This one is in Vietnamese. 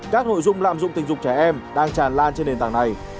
các nội dung lạm dụng tình dục trẻ em đang tràn lan trên nền tảng này